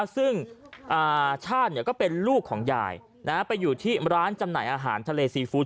ซึ่งชาติก็เป็นลูกของยายไปอยู่ที่ร้านจำหน่ายอาหารทะเลซีฟู้ด